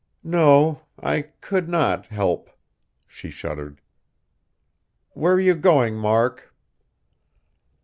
"No; I could not help!" She shuddered. "Where are you going, Mark?"